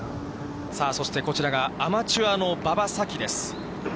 さあ、そして、こちらがアマチュアの馬場咲希です。